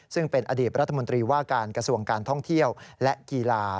ซึ่งเป็นอดีตรัฐมนตรีว่าการกระทรวงการท่องเที่ยวและกีฬา